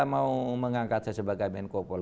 mau mengangkatnya sebagai menkopol